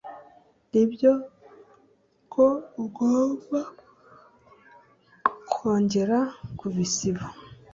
nibyo ko ugomba kongera kubisiba